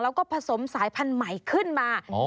แล้วก็ผสมสายพันธุ์ใหม่ขึ้นมา